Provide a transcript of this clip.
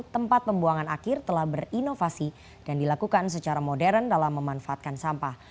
tempat pembuangan akhir telah berinovasi dan dilakukan secara modern dalam memanfaatkan sampah